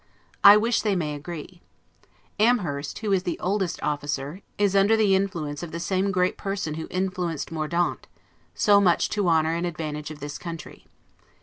I wish they may agree. Amherst, who is the oldest officer, is under the influence of the same great person who influenced Mordaunt, so much to honor and advantage of this country.